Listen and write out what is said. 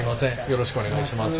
よろしくお願いします。